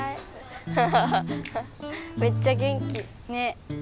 ハハハッめっちゃ元気。ね。